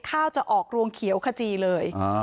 ข้าวจะออกรวงเขียวขจีเลย